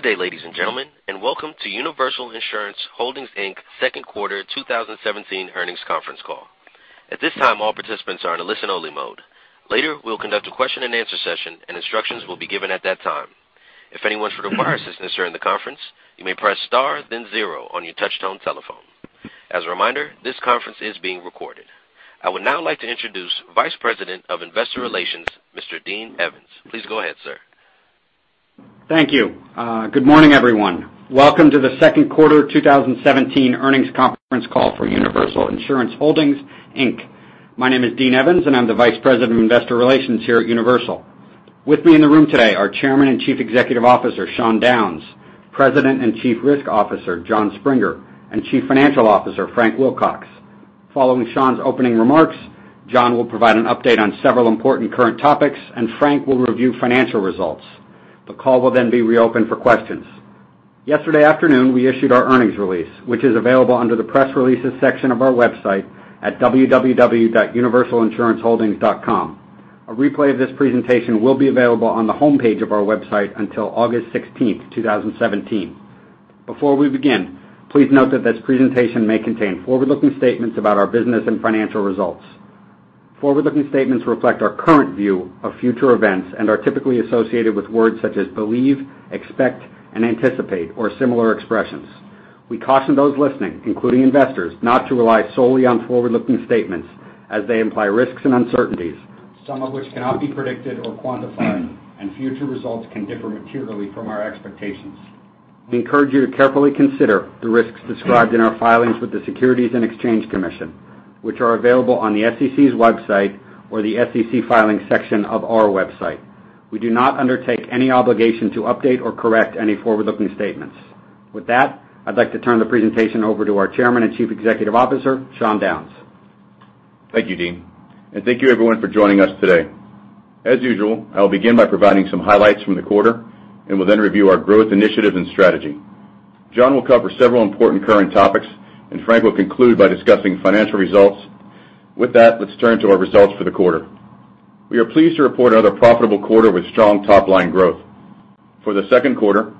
Good day, ladies and gentlemen, and welcome to Universal Insurance Holdings, Inc.'s second quarter 2017 earnings conference call. At this time, all participants are in a listen-only mode. Later, we'll conduct a question and answer session, and instructions will be given at that time. If anyone should require assistance during the conference, you may press star then zero on your touch-tone telephone. As a reminder, this conference is being recorded. I would now like to introduce Vice President of Investor Relations, Mr. Dean Evans. Please go ahead, sir. Thank you. Good morning, everyone. Welcome to the second quarter 2017 earnings conference call for Universal Insurance Holdings, Inc. My name is Dean Evans, and I'm the Vice President of Investor Relations here at Universal. With me in the room today are Chairman and Chief Executive Officer, Sean Downes, President and Chief Risk Officer, Jon Springer, and Chief Financial Officer, Frank Wilcox. Following Sean's opening remarks, Jon will provide an update on several important current topics, and Frank will review financial results. The call will then be reopened for questions. Yesterday afternoon, we issued our earnings release, which is available under the Press Releases section of our website at www.universalinsuranceholdings.com. A replay of this presentation will be available on the homepage of our website until August 16th, 2017. Before we begin, please note that this presentation may contain forward-looking statements about our business and financial results. Forward-looking statements reflect our current view of future events and are typically associated with words such as believe, expect, and anticipate, or similar expressions. We caution those listening, including investors, not to rely solely on forward-looking statements as they imply risks and uncertainties, some of which cannot be predicted or quantified, and future results can differ materially from our expectations. We encourage you to carefully consider the risks described in our filings with the Securities and Exchange Commission, which are available on the SEC's website or the SEC Filings section of our website. We do not undertake any obligation to update or correct any forward-looking statements. With that, I'd like to turn the presentation over to our Chairman and Chief Executive Officer, Sean Downes. Thank you, Dean. Thank you, everyone, for joining us today. As usual, I'll begin by providing some highlights from the quarter and will then review our growth initiatives and strategy. Jon will cover several important current topics, and Frank will conclude by discussing financial results. With that, let's turn to our results for the quarter. We are pleased to report another profitable quarter with strong top-line growth. For the second quarter,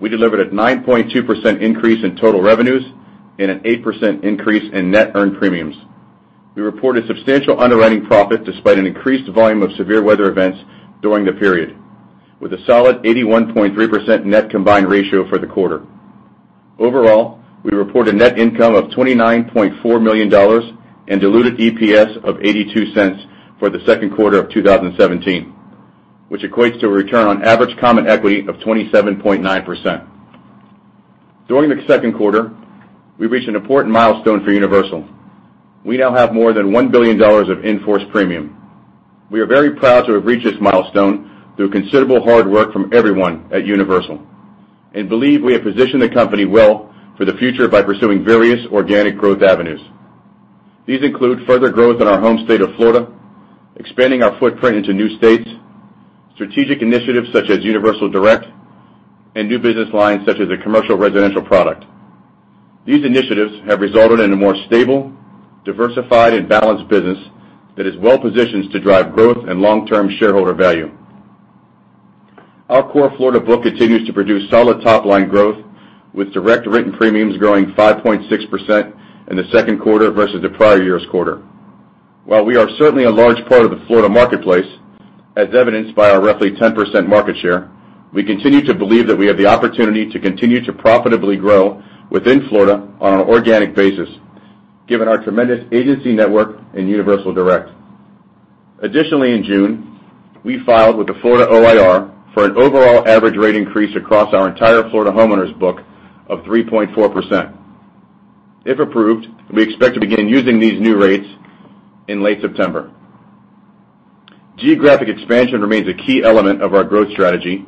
we delivered a 9.2% increase in total revenues and an 8% increase in net earned premiums. We reported substantial underwriting profit despite an increased volume of severe weather events during the period with a solid 81.3% net combined ratio for the quarter. Overall, we reported net income of $29.4 million and diluted EPS of $0.82 for the second quarter of 2017, which equates to a return on average common equity of 27.9%. During the second quarter, we reached an important milestone for Universal. We now have more than $1 billion of in-force premium. We are very proud to have reached this milestone through considerable hard work from everyone at Universal and believe we have positioned the company well for the future by pursuing various organic growth avenues. These include further growth in our home state of Florida, expanding our footprint into new states, strategic initiatives such as Universal Direct, and new business lines such as the commercial residential product. These initiatives have resulted in a more stable, diversified, and balanced business that is well-positioned to drive growth and long-term shareholder value. Our core Florida book continues to produce solid top-line growth, with direct written premiums growing 5.6% in the second quarter versus the prior year's quarter. While we are certainly a large part of the Florida marketplace, as evidenced by our roughly 10% market share, we continue to believe that we have the opportunity to continue to profitably grow within Florida on an organic basis given our tremendous agency network and Universal Direct. Additionally, in June, we filed with the Florida OIR for an overall average rate increase across our entire Florida homeowners book of 3.4%. If approved, we expect to begin using these new rates in late September. Geographic expansion remains a key element of our growth strategy,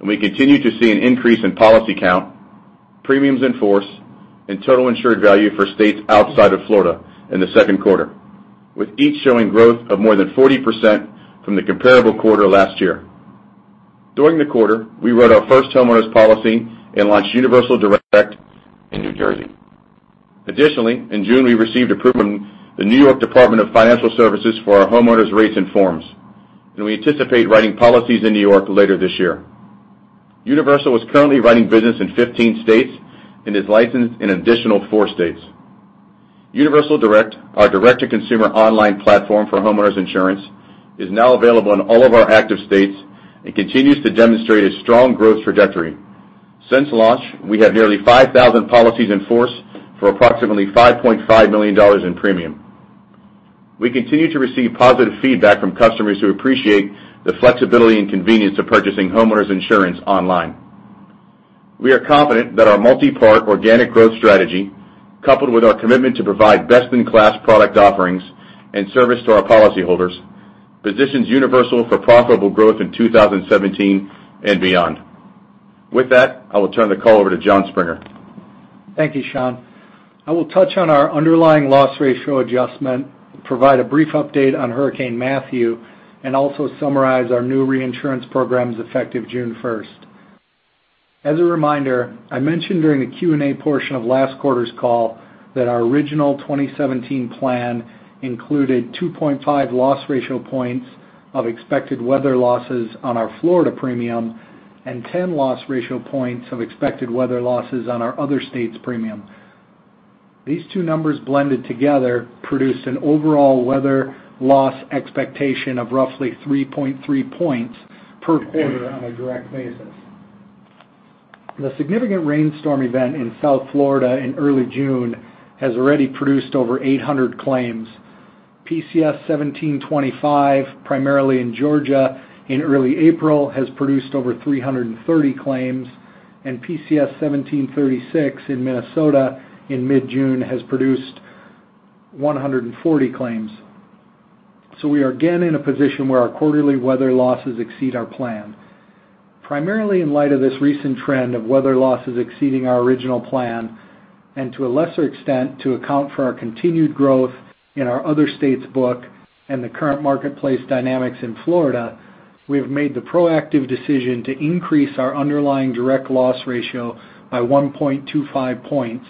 and we continue to see an increase in policy count, premiums in force, and total insured value for states outside of Florida in the second quarter, with each showing growth of more than 40% from the comparable quarter last year. During the quarter, we wrote our first homeowners policy and launched Universal Direct in New Jersey. Additionally, in June, we received approval from the New York Department of Financial Services for our homeowners rates and forms, and we anticipate writing policies in New York later this year. Universal is currently running business in 15 states and is licensed in an additional four states. Universal Direct, our direct-to-consumer online platform for homeowners insurance, is now available in all of our active states and continues to demonstrate a strong growth trajectory. Since launch, we have nearly 5,000 policies in force for approximately $5.5 million in premium. We continue to receive positive feedback from customers who appreciate the flexibility and convenience of purchasing homeowners insurance online. We are confident that our multipart organic growth strategy, coupled with our commitment to provide best-in-class product offerings and service to our policyholders, positions Universal for profitable growth in 2017 and beyond. With that, I will turn the call over to Jon Springer. Thank you, Sean. I will touch on our underlying loss ratio adjustment, provide a brief update on Hurricane Matthew, and also summarize our new reinsurance programs effective June 1st. As a reminder, I mentioned during the Q&A portion of last quarter's call that our original 2017 plan included 2.5 loss ratio points of expected weather losses on our Florida premium and 10 loss ratio points of expected weather losses on our other states' premium. These two numbers blended together produce an overall weather loss expectation of roughly 3.3 points per quarter on a direct basis. The significant rainstorm event in South Florida in early June has already produced over 800 claims. PCS 1725, primarily in Georgia in early April, has produced over 330 claims, and PCS 1736 in Minnesota in mid-June has produced 140 claims. We are again in a position where our quarterly weather losses exceed our plan. Primarily in light of this recent trend of weather losses exceeding our original plan, and to a lesser extent, to account for our continued growth in our other states book and the current marketplace dynamics in Florida, we have made the proactive decision to increase our underlying direct loss ratio by 1.25 points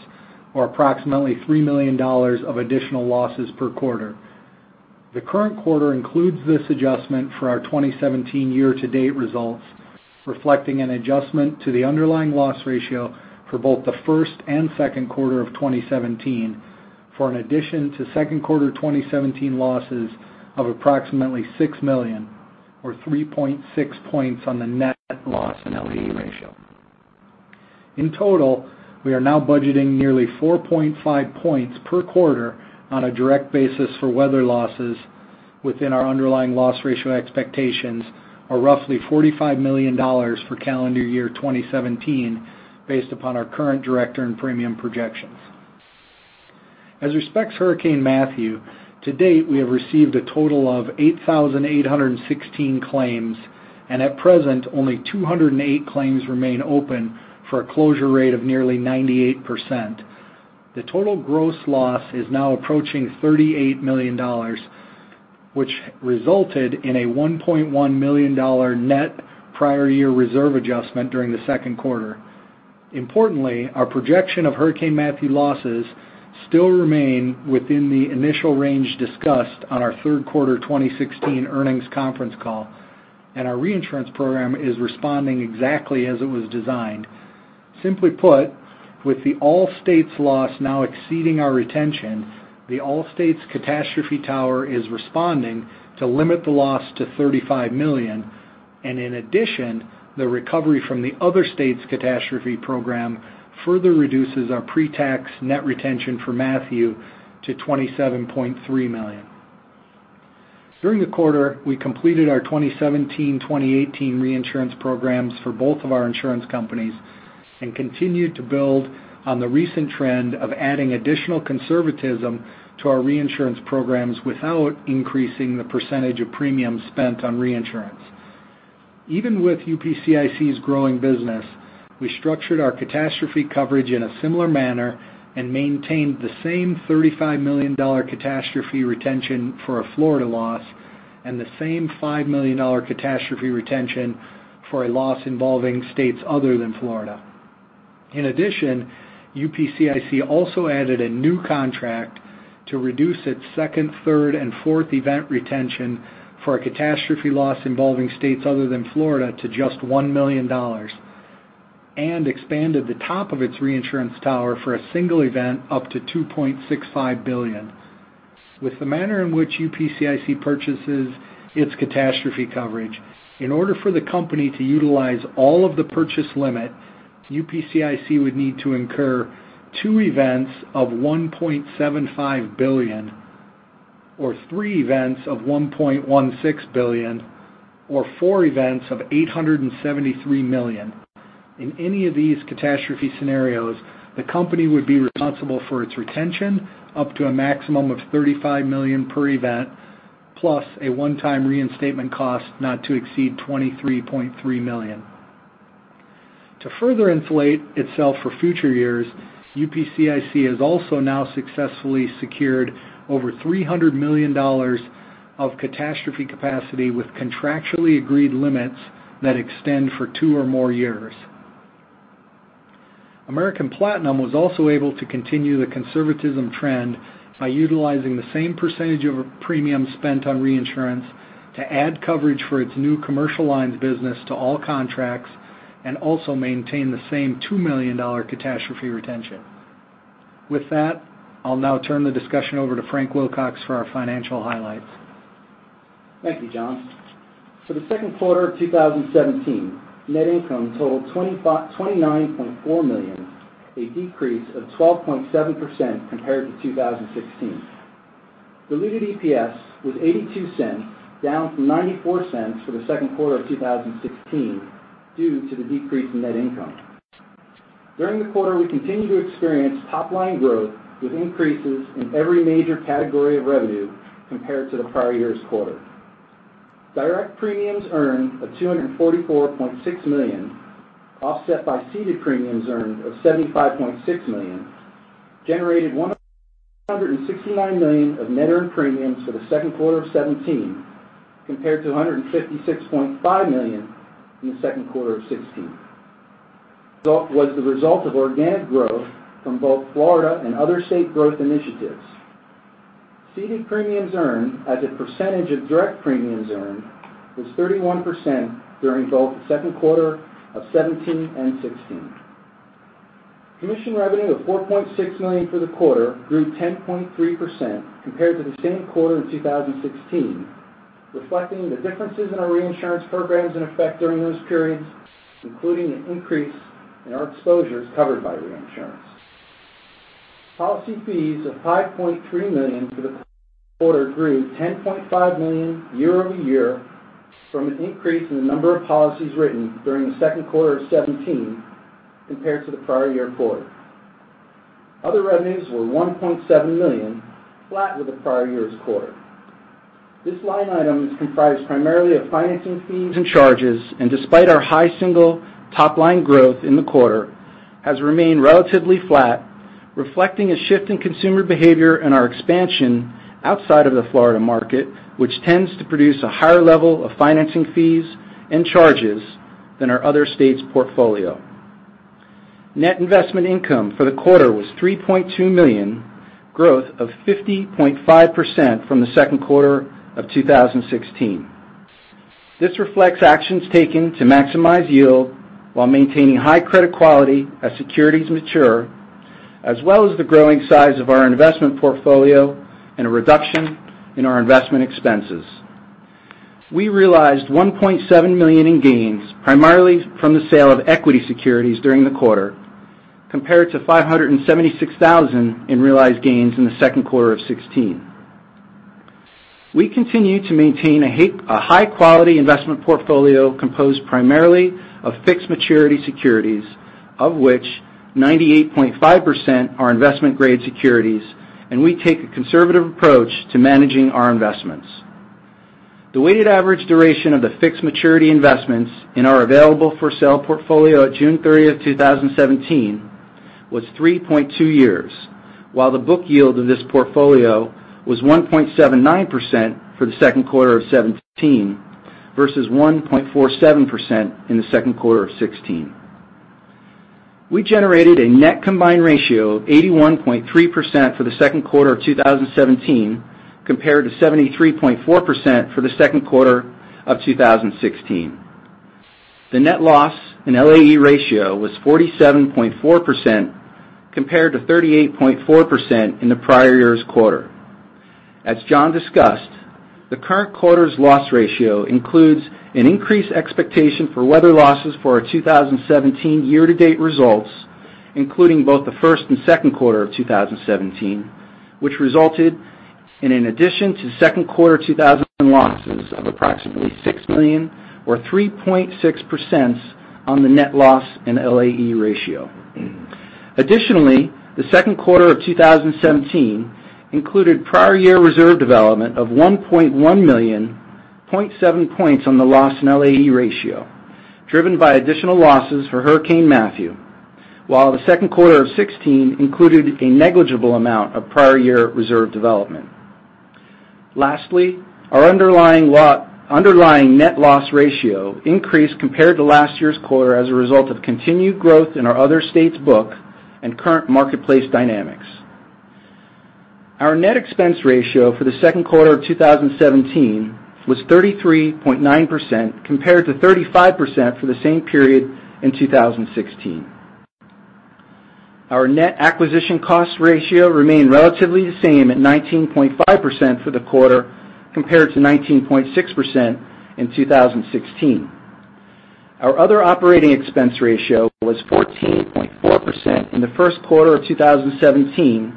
or approximately $3 million of additional losses per quarter. The current quarter includes this adjustment for our 2017 year-to-date results, reflecting an adjustment to the underlying loss ratio for both the first and second quarter of 2017 for an addition to second quarter 2017 losses of approximately $6 million or 3.6 points on the net loss and LAE ratio. In total, we are now budgeting nearly 4.5 points per quarter on a direct basis for weather losses within our underlying loss ratio expectations are roughly $45 million for calendar year 2017, based upon our current direct and premium projections. As respects Hurricane Matthew, to date, we have received a total of 8,816 claims, and at present, only 208 claims remain open for a closure rate of nearly 98%. The total gross loss is now approaching $38 million, which resulted in a $1.1 million net prior year reserve adjustment during the second quarter. Importantly, our projection of Hurricane Matthew losses still remain within the initial range discussed on our third quarter 2016 earnings conference call. Our reinsurance program is responding exactly as it was designed. Simply put, with the all states loss now exceeding our retention, the all states catastrophe tower is responding to limit the loss to $35 million. In addition, the recovery from the other states catastrophe program further reduces our pre-tax net retention for Matthew to $27.3 million. During the quarter, we completed our 2017-2018 reinsurance programs for both of our insurance companies and continued to build on the recent trend of adding additional conservatism to our reinsurance programs without increasing the percentage of premiums spent on reinsurance. Even with UPCIC's growing business, we structured our catastrophe coverage in a similar manner and maintained the same $35 million catastrophe retention for a Florida loss and the same $5 million catastrophe retention for a loss involving states other than Florida. In addition, UPCIC also added a new contract to reduce its second, third, and fourth event retention for a catastrophe loss involving states other than Florida to just $1 million, and expanded the top of its reinsurance tower for a single event up to $2.65 billion. With the manner in which UPCIC purchases its catastrophe coverage, in order for the company to utilize all of the purchase limit, UPCIC would need to incur two events of $1.75 billion or three events of $1.16 billion or four events of $873 million. In any of these catastrophe scenarios, the company would be responsible for its retention up to a maximum of $35 million per event, plus a one-time reinstatement cost not to exceed $23.3 million. To further inflate itself for future years, UPCIC has also now successfully secured over $300 million of catastrophe capacity with contractually agreed limits that extend for two or more years. American Platinum was also able to continue the conservatism trend by utilizing the same percentage of a premium spent on reinsurance to add coverage for its new commercial lines business to all contracts and also maintain the same $2 million catastrophe retention. With that, I'll now turn the discussion over to Frank Wilcox for our financial highlights. Thank you, Jon. For the second quarter of 2017, net income totaled $29.4 million, a decrease of 12.7% compared to 2016. Diluted EPS was $0.82, down from $0.94 for the second quarter of 2016 due to the decrease in net income. During the quarter, we continued to experience top-line growth with increases in every major category of revenue compared to the prior year's quarter. Direct premiums earned of $244.6 million, offset by ceded premiums earned of $75.6 million, generated $169 million of net earned premiums for the second quarter of 2017 compared to $156.5 million in the second quarter of 2016, which was the result of organic growth from both Florida and other state growth initiatives. Ceded premiums earned as a percentage of direct premiums earned was 31% during both the second quarter of 2017 and 2016. Commission revenue of $4.6 million for the quarter grew 10.3% compared to the same quarter in 2016, reflecting the differences in our reinsurance programs in effect during those periods, including an increase in our exposures covered by reinsurance. Policy fees of $5.3 million for the quarter grew $10.5 million year-over-year from an increase in the number of policies written during the second quarter of 2017 compared to the prior year quarter. Other revenues were $1.7 million, flat with the prior year's quarter. This line item is comprised primarily of financing fees and charges, and despite our high single top-line growth in the quarter, has remained relatively flat, reflecting a shift in consumer behavior and our expansion outside of the Florida market, which tends to produce a higher level of financing fees and charges than our other state's portfolio. Net investment income for the quarter was $3.2 million, growth of 50.5% from the second quarter of 2016. This reflects actions taken to maximize yield while maintaining high credit quality as securities mature, as well as the growing size of our investment portfolio and a reduction in our investment expenses. We realized $1.7 million in gains, primarily from the sale of equity securities during the quarter, compared to $576,000 in realized gains in the second quarter of 2016. We continue to maintain a high-quality investment portfolio composed primarily of fixed maturity securities, of which 98.5% are investment-grade securities, and we take a conservative approach to managing our investments. The weighted average duration of the fixed maturity investments in our available for sale portfolio at June 30th, 2017, was 3.2 years, while the book yield of this portfolio was 1.79% for the second quarter of 2017 versus 1.47% in the second quarter of 2016. We generated a net combined ratio of 81.3% for the second quarter of 2017, compared to 73.4% for the second quarter of 2016. The net loss and LAE ratio was 47.4%, compared to 38.4% in the prior year's quarter. As Jon discussed, the current quarter's loss ratio includes an increased expectation for weather losses for our 2017 year-to-date results, including both the first and second quarter of 2017, which resulted in an addition to second quarter 2017 losses of approximately $6 million or 3.6% on the net loss and LAE ratio. The second quarter of 2017 included prior year reserve development of $1.1 million, 0.7 points on the loss and LAE ratio, driven by additional losses for Hurricane Matthew, while the second quarter of 2016 included a negligible amount of prior year reserve development. Our underlying net loss ratio increased compared to last year's quarter as a result of continued growth in our other state's book and current marketplace dynamics. Our net expense ratio for the second quarter of 2017 was 33.9%, compared to 35% for the same period in 2016. Our net acquisition cost ratio remained relatively the same at 19.5% for the quarter, compared to 19.6% in 2016. Our other operating expense ratio was 14.4% in the first quarter of 2017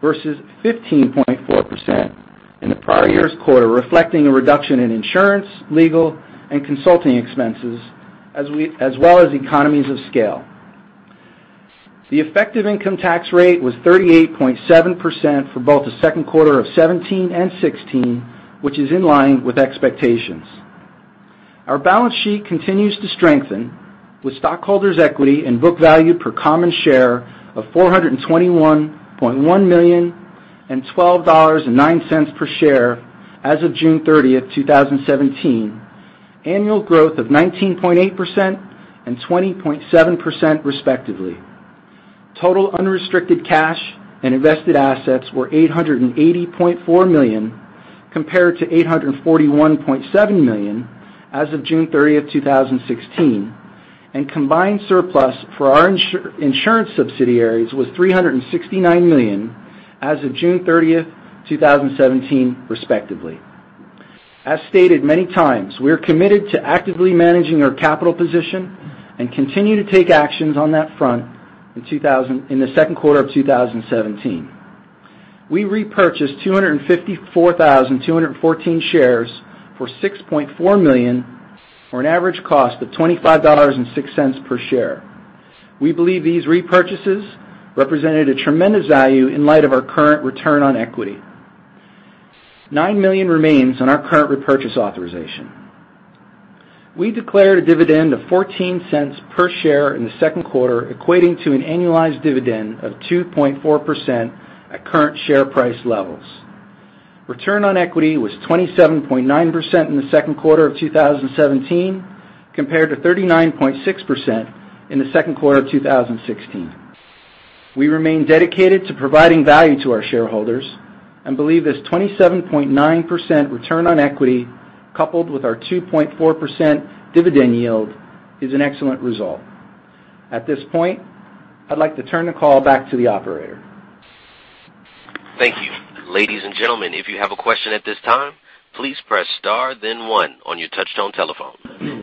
versus 15.4% in the prior year's quarter, reflecting a reduction in insurance, legal, and consulting expenses, as well as economies of scale. The effective income tax rate was 38.7% for both the second quarter of 2017 and 2016, which is in line with expectations. Our balance sheet continues to strengthen with stockholders' equity and book value per common share of $421.1 million and $12.09 per share as of June 30th, 2017, annual growth of 19.8% and 20.7% respectively. Total unrestricted cash and invested assets were $880.4 million compared to $841.7 million as of June 30th, 2016, and combined surplus for our insurance subsidiaries was $369 million as of June 30th, 2017, respectively. As stated many times, we are committed to actively managing our capital position and continue to take actions on that front in the second quarter of 2017. We repurchased 254,214 shares for $6.4 million, or an average cost of $25.06 per share. We believe these repurchases represented a tremendous value in light of our current return on equity. $9 million remains on our current repurchase authorization. We declared a dividend of $0.14 per share in the second quarter, equating to an annualized dividend of 2.4% at current share price levels. Return on equity was 27.9% in the second quarter of 2017. compared to 39.6% in the second quarter of 2016. We remain dedicated to providing value to our shareholders and believe this 27.9% return on equity, coupled with our 2.4% dividend yield, is an excellent result. At this point, I'd like to turn the call back to the operator. Thank you. Ladies and gentlemen, if you have a question at this time, please press star then one on your touchtone telephone.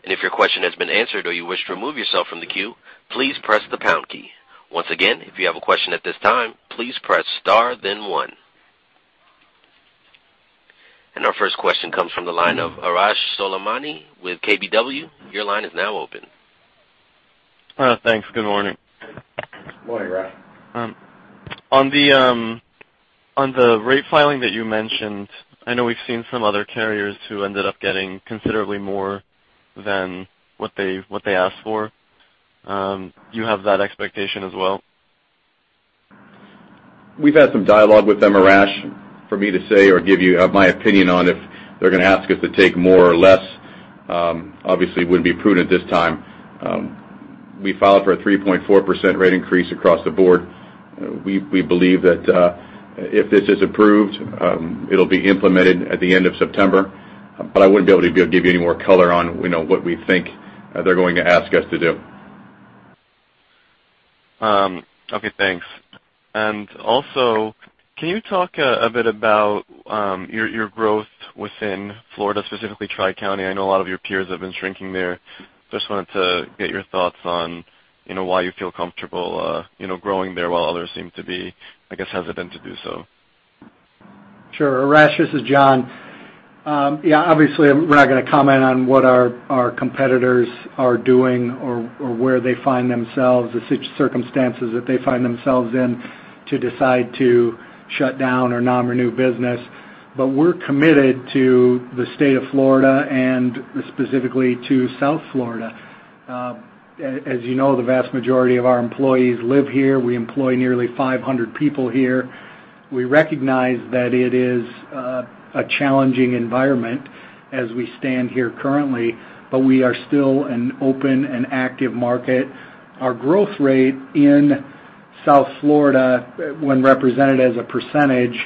If your question has been answered or you wish to remove yourself from the queue, please press the pound key. Once again, if you have a question at this time, please press star then one. Our first question comes from the line of Arash Soleimani with KBW. Your line is now open. Thanks. Good morning. Morning, Arash. On the rate filing that you mentioned, I know we've seen some other carriers who ended up getting considerably more than what they asked for. Do you have that expectation as well? We've had some dialogue with them, Arash. For me to say or give you my opinion on if they're going to ask us to take more or less, obviously wouldn't be prudent at this time. We filed for a 3.4% rate increase across the board. We believe that if this is approved, it'll be implemented at the end of September. I wouldn't be able to give you any more color on what we think they're going to ask us to do. Okay, thanks. Also, can you talk a bit about your growth within Florida, specifically Tri County? I know a lot of your peers have been shrinking there. Just wanted to get your thoughts on why you feel comfortable growing there while others seem to be, I guess, hesitant to do so. Sure. Arash, this is Jon. Obviously, we're not going to comment on what our competitors are doing or where they find themselves, the circumstances that they find themselves in to decide to shut down or not renew business. We're committed to the state of Florida and specifically to South Florida. As you know, the vast majority of our employees live here. We employ nearly 500 people here. We recognize that it is a challenging environment as we stand here currently, but we are still an open and active market. Our growth rate in South Florida, when represented as a percentage,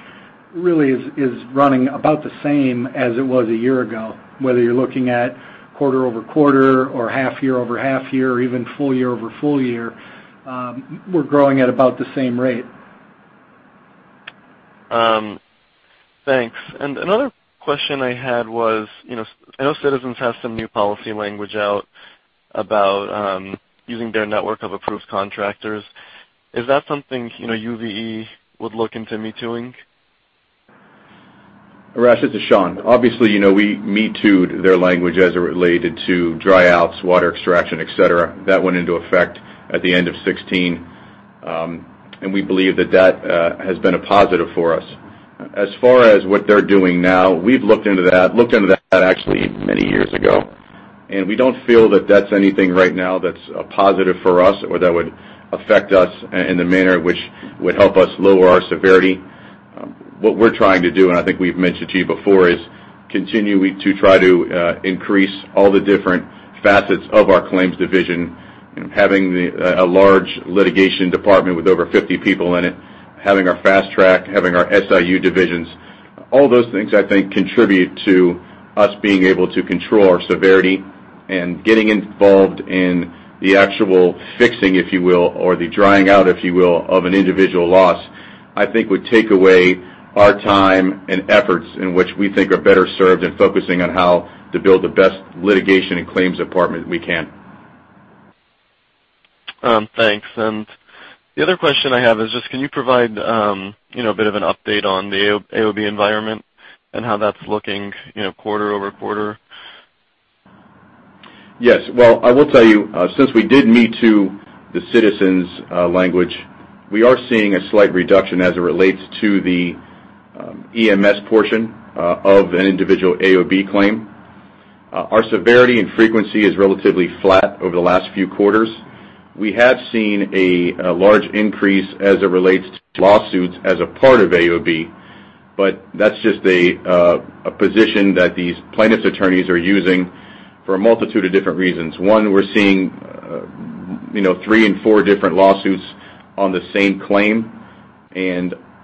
really is running about the same as it was a year ago. Whether you're looking at quarter-over-quarter or half-year-over-half-year or even full-year-over-full-year, we're growing at about the same rate. Thanks. Another question I had was, I know Citizens has some new policy language out about using their network of approved contractors. Is that something UVE would look into me-tooing? Arash, this is Sean. Obviously, we me-too'd their language as it related to dry outs, water extraction, et cetera. That went into effect at the end of 2016. We believe that that has been a positive for us. As far as what they're doing now, we've looked into that. Looked into that actually many years ago, and we don't feel that that's anything right now that's a positive for us or that would affect us in the manner which would help us lower our severity. What we're trying to do, and I think we've mentioned to you before, is continuing to try to increase all the different facets of our claims division, having a large litigation department with over 50 people in it, having our fast track, having our SIU divisions. All those things, I think, contribute to us being able to control our severity and getting involved in the actual fixing, if you will, or the drying out, if you will, of an individual loss, I think would take away our time and efforts in which we think are better served in focusing on how to build the best litigation and claims department we can. Thanks. The other question I have is just can you provide a bit of an update on the AOB environment and how that's looking quarter-over-quarter? Yes. Well, I will tell you, since we did me too the Citizens language, we are seeing a slight reduction as it relates to the EMS portion of an individual AOB claim. Our severity and frequency is relatively flat over the last few quarters. We have seen a large increase as it relates to lawsuits as a part of AOB, but that's just a position that these plaintiffs' attorneys are using for a multitude of different reasons. One, we're seeing three and four different lawsuits on the same claim.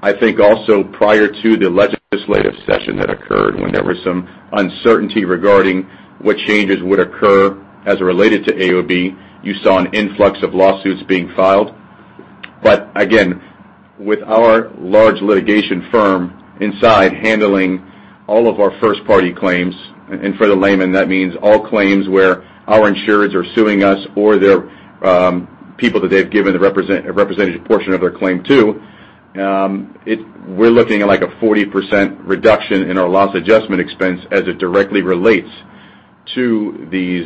I think also prior to the legislative session that occurred when there was some uncertainty regarding what changes would occur as it related to AOB, you saw an influx of lawsuits being filed. Again, with our large litigation firm inside handling all of our first-party claims, and for the layman, that means all claims where our insureds are suing us or their people that they've given a representative portion of their claim to, we're looking at like a 40% reduction in our loss adjustment expense as it directly relates to these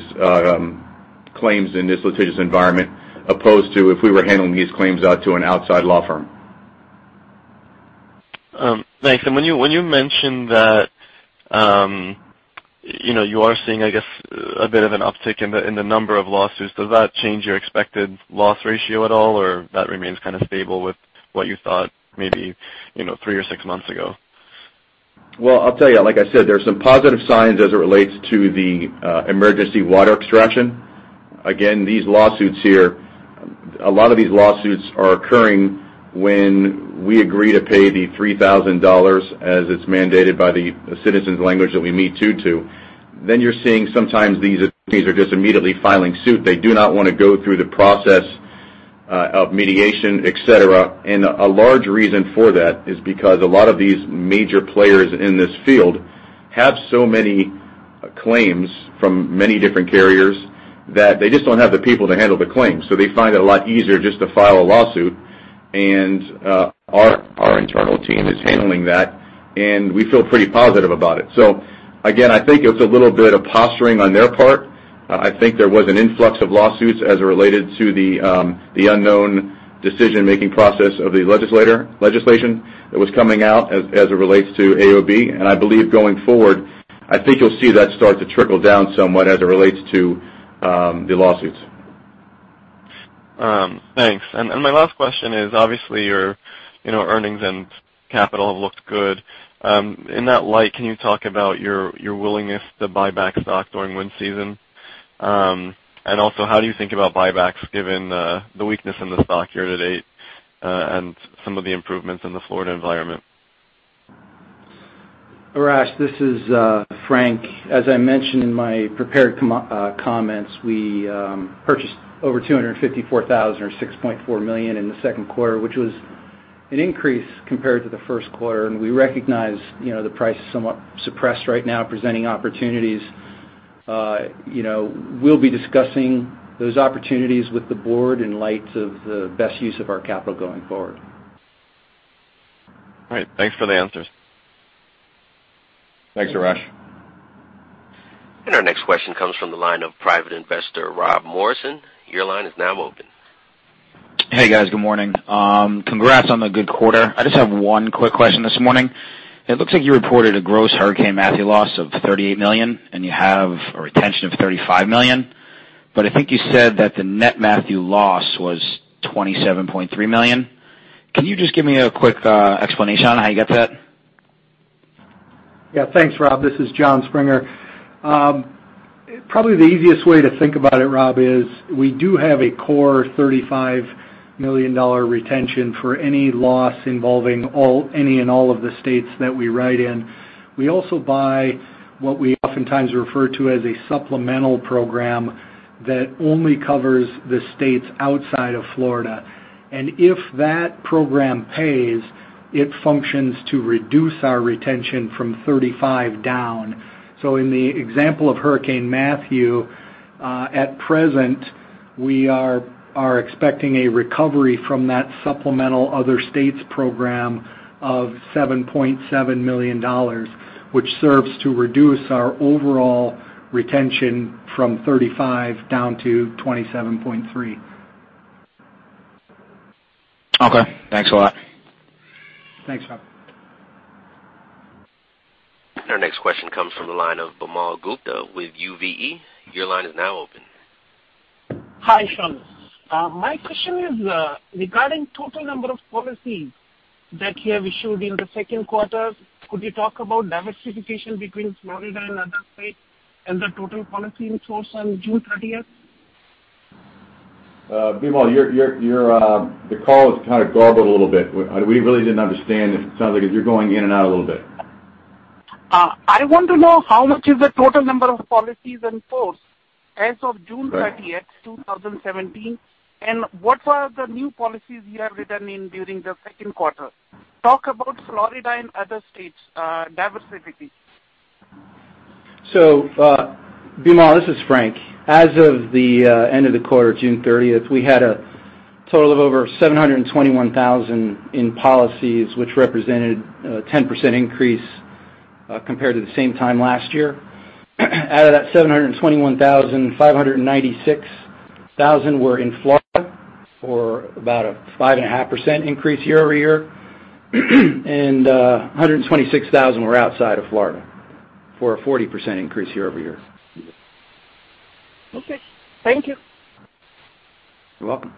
claims in this litigious environment, opposed to if we were handling these claims out to an outside law firm. Thanks. When you mentioned that you are seeing, I guess, a bit of an uptick in the number of lawsuits, does that change your expected loss ratio at all, or that remains kind of stable with what you thought maybe three or six months ago? Well, I'll tell you, like I said, there's some positive signs as it relates to the emergency water extraction. Again, these lawsuits here, a lot of these lawsuits are occurring when we agree to pay the $3,000 as it's mandated by the Citizens language that we me-too'd. You're seeing sometimes these attorneys are just immediately filing suit. They do not want to go through the process of mediation, et cetera. A large reason for that is because a lot of these major players in this field have so many claims from many different carriers that they just don't have the people to handle the claims. They find it a lot easier just to file a lawsuit. Our internal team is handling that, and we feel pretty positive about it. Again, I think it's a little bit of posturing on their part. I think there was an influx of lawsuits as it related to the unknown decision-making process of the legislation that was coming out as it relates to AOB. I believe going forward, I think you'll see that start to trickle down somewhat as it relates to the lawsuits. Thanks. My last question is, obviously your earnings and capital have looked good. In that light, can you talk about your willingness to buy back stock during wind season? Also, how do you think about buybacks given the weakness in the stock year to date, and some of the improvements in the Florida environment? Arash, this is Frank. As I mentioned in my prepared comments, we purchased over 254,000 or $6.4 million in the second quarter, which was an increase compared to the first quarter. We recognize the price is somewhat suppressed right now, presenting opportunities. We'll be discussing those opportunities with the board in light of the best use of our capital going forward. All right. Thanks for the answers. Thanks, Arash. Our next question comes from the line of private investor Rob Morrison. Your line is now open. Hey, guys. Good morning. Congrats on the good quarter. I just have one quick question this morning. It looks like you reported a gross Hurricane Matthew loss of $38 million, and you have a retention of $35 million. I think you said that the net Matthew loss was $27.3 million. Can you just give me a quick explanation on how you got that? Yeah. Thanks, Rob. This is Jon Springer. Probably the easiest way to think about it, Rob, is we do have a core $35 million retention for any loss involving any and all of the states that we write in. We also buy what we oftentimes refer to as a supplemental program that only covers the states outside of Florida. If that program pays, it functions to reduce our retention from $35 down. In the example of Hurricane Matthew, at present, we are expecting a recovery from that supplemental other states program of $7.7 million, which serves to reduce our overall retention from $35 down to $27.3. Okay. Thanks a lot. Thanks, Rob. Our next question comes from the line of Vimal Gupta with UVE. Your line is now open. Hi, Sean. My question is regarding total number of policies that you have issued in the second quarter. Could you talk about diversification between Florida and other states and the total policy in force on June 30th? Bimal, the call is kind of garbled a little bit. We really didn't understand. It sounds like you're going in and out a little bit. I want to know how much is the total number of policies in force as of June 30th, 2017, what are the new policies you have written in during the second quarter? Talk about Florida and other states' diversity. Bimal, this is Frank. As of the end of the quarter, June 30th, we had a total of over 721,000 in policies, which represented a 10% increase compared to the same time last year. Out of that 721,000, 596,000 were in Florida for about a 5.5% increase year-over-year, 126,000 were outside of Florida for a 40% increase year-over-year. Okay. Thank you. You're welcome.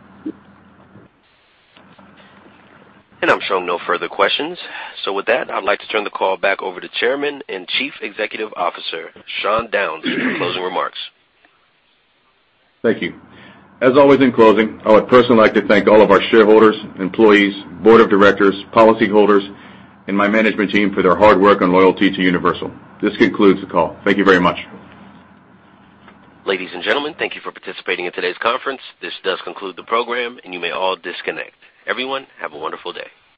I'm showing no further questions. With that, I'd like to turn the call back over to Chairman and Chief Executive Officer, Sean Downes, for closing remarks. Thank you. As always in closing, I would personally like to thank all of our shareholders, employees, board of directors, policyholders, and my management team for their hard work and loyalty to Universal. This concludes the call. Thank you very much. Ladies and gentlemen, thank you for participating in today's conference. This does conclude the program, and you may all disconnect. Everyone, have a wonderful day.